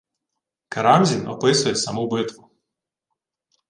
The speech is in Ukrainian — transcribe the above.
Карамзін описує саму битву: